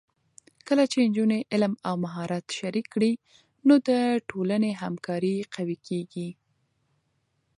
کله چې نجونې علم او مهارت شریک کړي، نو د ټولنې همکاري قوي کېږي.